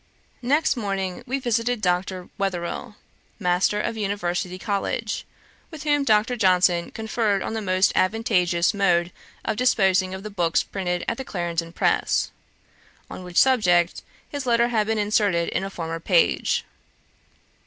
Next morning we visited Dr. Wetherell, Master of University College, with whom Dr. Johnson conferred on the most advantageous mode of disposing of the books printed at the Clarendon press, on which subject his letter has been inserted in a former page.